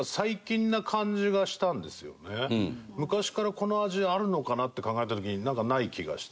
昔からこの味あるのかなって考えた時にない気がして。